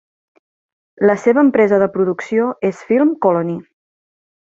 La seva empresa de producció és FilmColony.